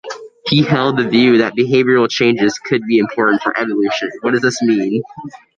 He held the view that behavioral changes can be important for evolution.